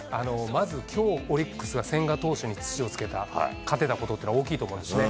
まずきょう、オリックスが千賀投手に土をつけた、勝てたことっていうのは大きいと思うんですね。